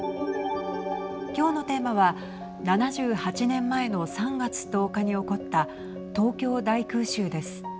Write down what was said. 今日のテーマは７８年前の３月１０日に起こった東京大空襲です。